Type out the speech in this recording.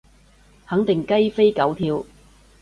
肯定雞飛狗跳